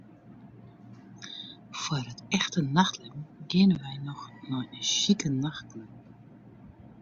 Foar it echte nachtlibben geane wy noch nei in sjike nachtklup.